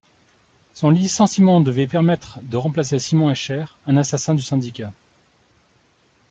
Son licenciement devait permettre de remplacer Simon Escher, un assassin du syndicat.